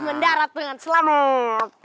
mendarat dengan selamat